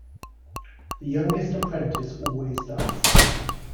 The youngest apprentice always does.